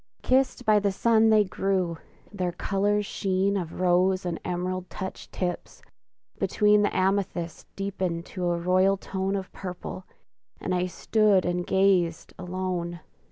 Kissed by the sun they grew; their colors' sheen Of rose and emerald touched tips; between The amethyst deepened to a royal tone Of purple, and I stood and gazed, alone!